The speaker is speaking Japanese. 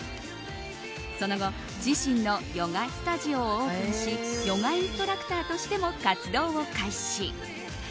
その後、自身のヨガスタジオをオープンしヨガインストラクターとしても活動を開始。